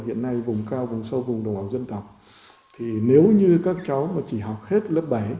hiện nay vùng cao vùng sâu vùng đồng bào dân tộc thì nếu như các cháu mà chỉ học hết lớp bảy